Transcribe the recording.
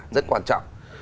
rất quan trọng